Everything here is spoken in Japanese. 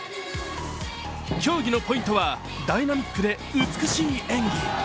競技のポイントはダイナミックで美しい演技。